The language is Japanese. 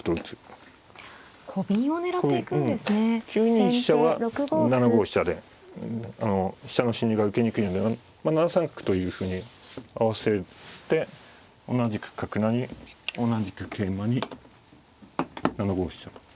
９二飛車は７五飛車で飛車の侵入が受けにくいので７三角というふうに合わせて同じく角成に同じく桂馬に７五飛車。